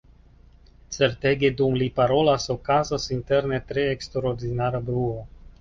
Certege, dum li parolas, okazas interne tre eksterordinara bruo.